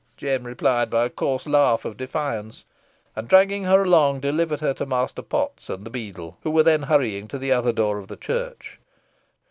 Jem replied by a coarse laugh of defiance, and, dragging her along, delivered her to Master Potts and the beadle, who were then hurrying to the other door of the church.